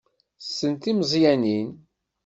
Tessen timeẓyanin.